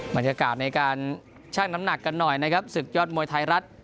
บรรยากาศในการชั่งน้ำหนักกันหน่อยนะครับศึกยอดมวยไทยรัฐ